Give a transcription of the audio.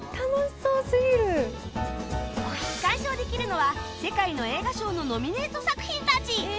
鑑賞できるのは世界の映画賞のノミネート作品たち